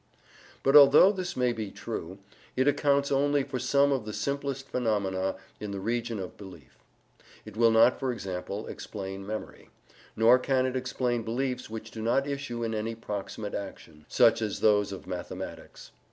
But although this may be true, it accounts only for some of the simplest phenomena in the region of belief. It will not, for example, explain memory. Nor can it explain beliefs which do not issue in any proximate action, such as those of mathematics.